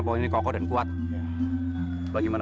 berani kau macem maca